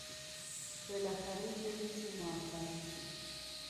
بالاخره یه روزی موفق میشی!